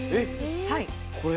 これ？